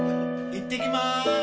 行ってきまーす！